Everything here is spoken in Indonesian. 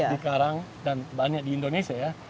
di karang dan banyak di indonesia ya